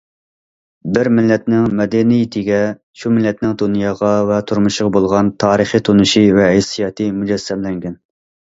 بىر مىللەتنىڭ مەدەنىيىتىگە شۇ مىللەتنىڭ دۇنياغا ۋە تۇرمۇشقا بولغان تارىخىي تونۇشى ۋە ھېسسىياتى مۇجەسسەملەنگەن.